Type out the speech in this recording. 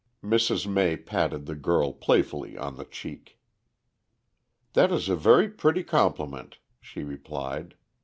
Mrs. May patted the girl playfully on the cheek. "That is a very pretty compliment," she replied.